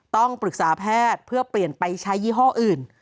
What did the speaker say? ต้องปรึกษาแพทย์เพื่อเปลี่ยนไปใช้ยี่ห้ออื่น